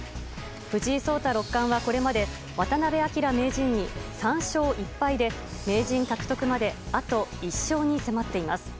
藤井聡太六冠はこれまで渡辺明名人に３勝１敗で名人獲得まであと１勝に迫っています。